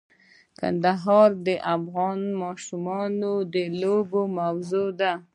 کندهار د افغان ماشومانو د لوبو موضوع ده.